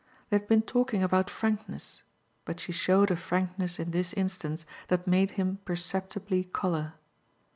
They had been talking about frankness, but she showed a frankness in this instance that made him perceptibly colour.